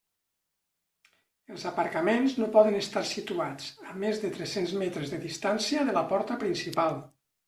Els aparcaments no poden estar situats a més de tres-cents metres de distància de la porta principal.